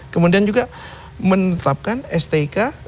kemudian juga menetapkan stk